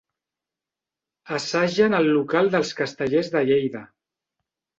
Assagen al local dels Castellers de Lleida.